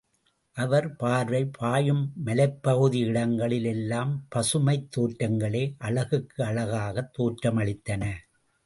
அவர் பார்வை பாயும் மலைப்பகுதி இடங்களில் எல்லாம் பசுமைத் தோற்றங்களே அழகுக்கு அழகாகத் தோற்றமளித்தன.